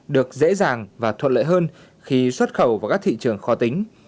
được dễ dàng và thuận lợi hơn khi xuất khẩu vào các thị trường khó tính